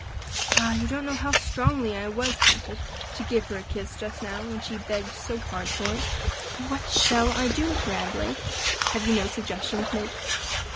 Ah! you don't know how strongly I was tempted to give her a kiss, just now, when she begged so hard for it. But what shall I do with her, Adelaide? have you no suggestion to make?"